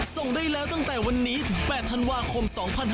ส่งได้แล้วตั้งแต่วันนี้ถึง๘ธันวาคม๒๕๖๒